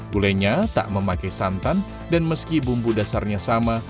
gulainya tak memakai santan dan meski bumbu dasarnya sama